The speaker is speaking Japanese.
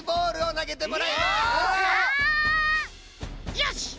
よし！